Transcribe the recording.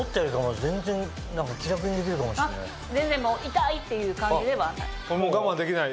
全然痛い！っていう感じではない。